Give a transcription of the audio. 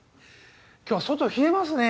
今日は外冷えますね